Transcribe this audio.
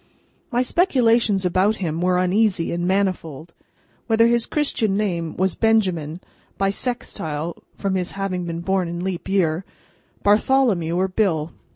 My speculations about him were uneasy and manifold. Whether his Christian name was Benjamin, Bissextile (from his having been born in Leap Year), Bartholomew, or Bill.